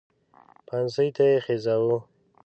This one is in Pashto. پانسۍ ته یې خېژاوې.